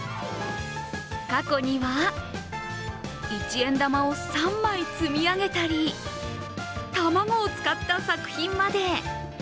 過去には一円玉を３枚積み上げたり、卵を使った作品まで。